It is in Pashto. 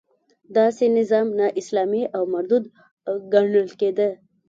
داسې نظام نا اسلامي او مردود ګڼل کېده.